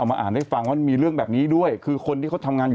เพราะจริงเราอยู่ในส่วนรวมคอนโดคนอยู่เยอะไง